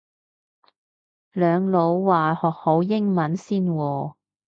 兩老話學好英文先喎